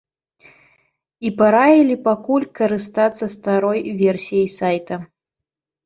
І параілі пакуль карыстацца старой версіяй сайта.